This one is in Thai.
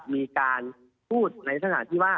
มีการพูดในขณะที่ว่า